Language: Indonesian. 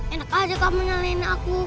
enak aja kamu menangin aku